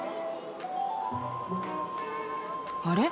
あれ？